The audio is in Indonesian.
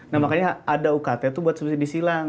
nah makanya ada ukt itu buat subsidi silang